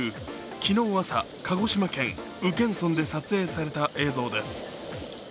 昨日朝、鹿児島県宇検村で撮影された映像です。